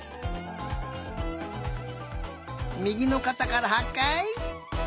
みぎのかたから８かい！